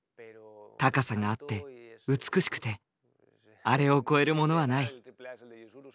高さがあって美しくてあれを超えるものはない。